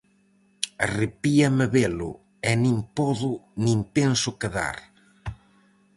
-Arrepíame velo, e nin podo nin penso quedar.